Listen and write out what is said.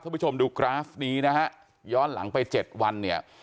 ผู้ชมดูกราฟนี้นะฮะย้อนหลังไปเจ็ดวันเนี่ย